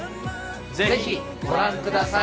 ぜひご覧ください！